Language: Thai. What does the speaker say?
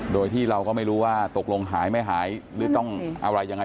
โดยที่เราก็ไม่รู้ว่าตกลงหายไม่หายหรือต้องอะไรยังไง